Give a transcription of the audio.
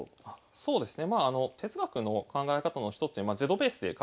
そうですね。